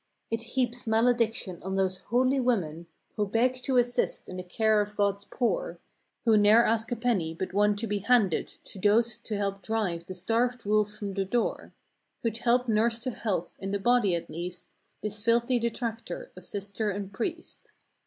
It heaps malediction on those holy women Who beg to assist in the care of God's poor; Who ne'er ask a penny but one to be handed To those to help drive the starved wolf from the door, Who'd help nurse to health, in the body at least. This filthy detractor of Sister and Priest.